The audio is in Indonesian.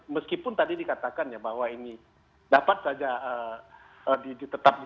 meskipun tadi dikatakan ya bahwa ini dapat saja ditetapkan